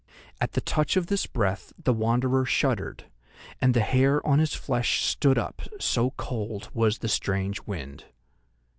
At the touch of this breath the Wanderer shuddered, and the hair on his flesh stood up, so cold was the strange wind.